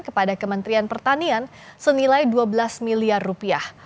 kepada kementerian pertanian senilai dua belas miliar rupiah